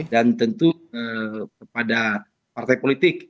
dan juga untuk kepada partai politik